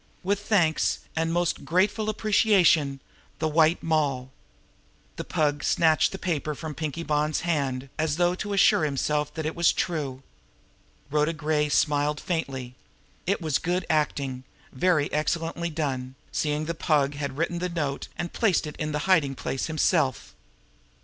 'With thanks, and my most grateful appreciation the White Moll.'" The Pug snatched the paper from Pinkie Bonn's hand, as though to assure himself that it was true. Rhoda Gray smiled faintly. It was good acting, very excellently done seeing that the Pug had written the note and placed it in the hiding place himself!